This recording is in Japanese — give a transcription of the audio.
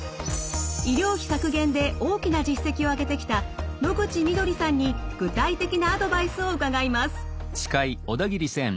医療費削減で大きな実績を上げてきた野口緑さんに具体的なアドバイスを伺います。